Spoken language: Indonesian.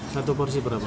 satu porsi berapa